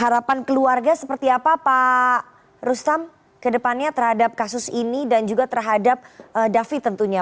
harapan keluarga seperti apa pak rustam ke depannya terhadap kasus ini dan juga terhadap david tentunya